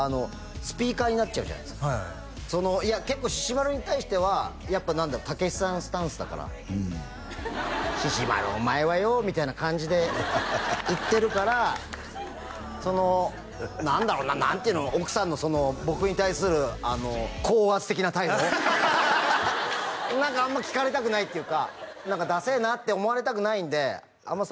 スピーカーになっちゃうじゃないですか結構しし丸に対してはやっぱたけしさんスタンスだから「しし丸お前はよお」みたいな感じでいってるからその何だろうな奥さんの僕に対する高圧的な態度何かあんま聞かれたくないっていうかダセえなって思われたくないんであんま